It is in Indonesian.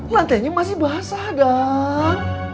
lantainya masih basah dang